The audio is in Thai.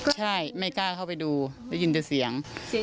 ใช่ไม่กล้าเข้าไปดูได้ยินแต่เสียง